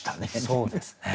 そうですね。